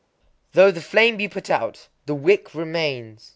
_ Though the flame be put out, the wick remains.